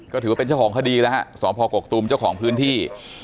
ก็ถือว่าเป็นเจ้าของคดีแล้วฮะสพกกตูมเจ้าของพื้นที่